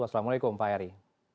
wassalamu'alaikum pak heri